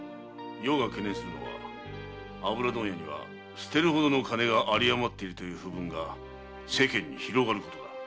余が懸念するのは油問屋には捨てるほどの金が有り余っているという風聞が世間に広がることだ。